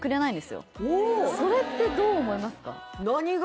それってどう思いますか？